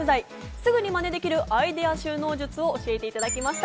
すぐにまねできるアイデア収納術を教えていただきました。